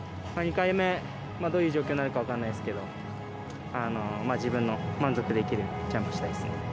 ２回目どういう状況になるか分からないですけど自分の満足できるジャンプをしたいですね。